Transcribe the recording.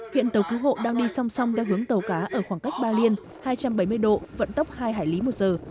hiện tàu cứu hộ đang đi song song theo hướng tàu cá ở khoảng cách ba liên hai trăm bảy mươi độ vận tốc hai hải lý một giờ